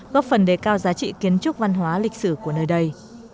góp phần đề cao giá trị kiến trúc văn hóa lịch sử của nơi đây